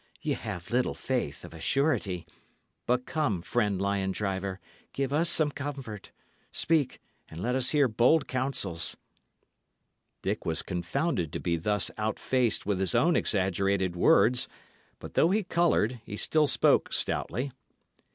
Ye have little faith, of a surety. But come, friend lion driver, give us some comfort; speak, and let us hear bold counsels." Dick was confounded to be thus outfaced with his own exaggerated words; but though he coloured, he still spoke stoutly.